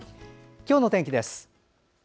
今日の天気です。